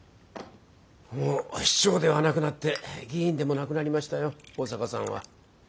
もう市長ではなくなって議員でもなくなりましたよ保坂さんは。